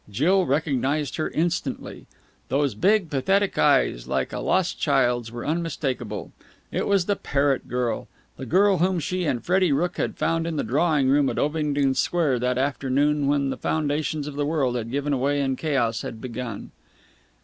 Jill recognized her instantly. Those big, pathetic eyes, like a lost child's, were unmistakable. It was the parrot girl, the girl whom she and Freddie Rooke had found in the drawing room at Ovingdon Square that afternoon when the foundations of the world had given way and chaos had begun.